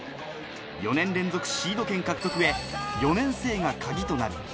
４年連続シード権獲得へ４年生がカギとなる。